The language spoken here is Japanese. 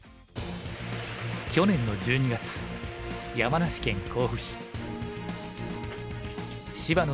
去年の１２月山梨県甲府市。